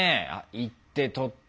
行って撮って。